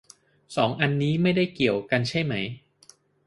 สองอันนี้ไม่ได้เกี่ยวกันใช่ไหม